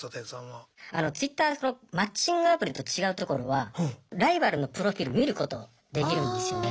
あのＴｗｉｔｔｅｒのマッチングアプリと違うところはライバルのプロフィール見ることできるんですよね。